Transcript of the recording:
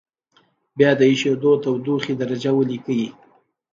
بیا د اېشېدو تودوخې درجه ولیکئ.